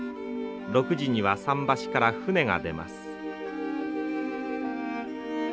６時には桟橋から船が出ます。